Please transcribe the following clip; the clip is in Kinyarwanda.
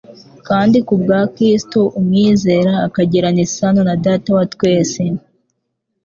kandi kubwa Kristo, umwizera akagirana isano na Data wa twese.